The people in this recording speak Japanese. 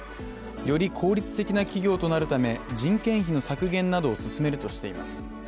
より効率的な企業となるため、人件費の削減などを進めるとしています。